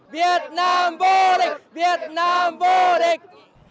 việt nam vô địch việt nam vô địch